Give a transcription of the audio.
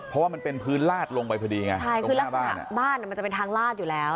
เพราะว่ามันเป็นพื้นลาดลงไปพอดีไงใช่คือลักษณะบ้านอ่ะมันจะเป็นทางลาดอยู่แล้ว